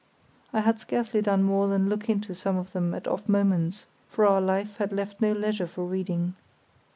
I had scarcely done more than look into some of them at off moments, for our life had left no leisure for reading.